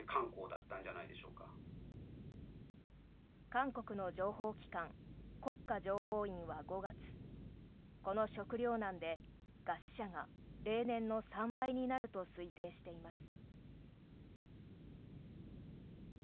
韓国の情報機関、国家情報院は５月この食糧難で、餓死者が例年の３倍になると推定しています。